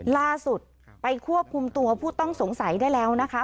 ล่าสุดไปควบคุมตัวผู้ต้องสงสัยได้แล้วนะคะ